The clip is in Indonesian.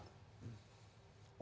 undang undang desa ini